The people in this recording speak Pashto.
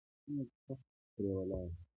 ځکه چې تخت پرې ولاړ دی.